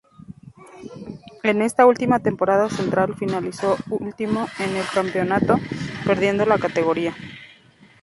En esta última temporada Central finalizó último en el campeonato, perdiendo la categoría.